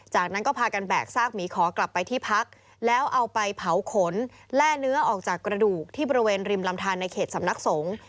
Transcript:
จากนั้นก็พากันแบกซากหมีขอกลับไปที่พักแล้วเอาไปเผาขนแร่เนื้อออกจากกระดูกที่บริเวณริมลำทานในเขตสำนักสงฆ์